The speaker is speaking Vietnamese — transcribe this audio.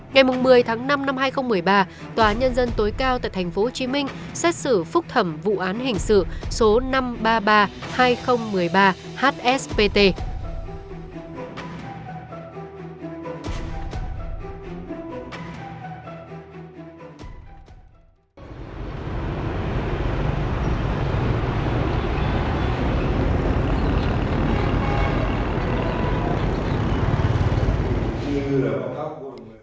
ngày một mươi tháng năm năm hai nghìn một mươi ba tòa án nhân dân tối cao tại tp hcm xét xử phúc thẩm vụ án hình sự số năm trăm ba mươi ba hai nghìn một mươi ba hspt